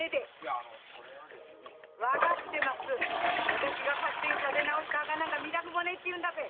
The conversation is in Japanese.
私が勝手に建て直した墓なんか見だくもねえって言うんだべ。